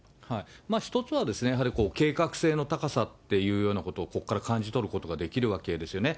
一つは、やはり計画性の高さっていうようなことをここから感じ取ることができるわけですよね。